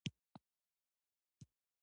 مځکه نه حامله کیږې